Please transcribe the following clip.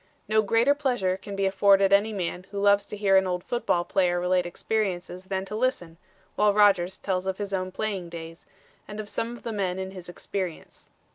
No greater pleasure can be afforded any man who loves to hear an old football player relate experiences than to listen, while Rodgers tells of his own playing days, and of some of the men in his experience.